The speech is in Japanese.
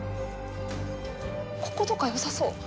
こことかよさそう。